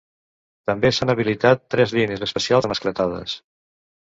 També s’han habilitat tres línies especials de mascletades.